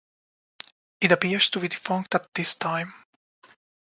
It appears to be defunct at this time.